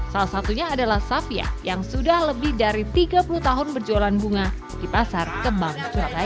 salah satunya adalah safia yang sudah lebih dari tiga puluh tahun berjualan bunga di pasar kembang surabaya